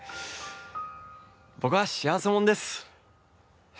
僕は幸せ者です。